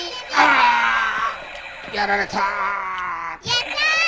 やったー！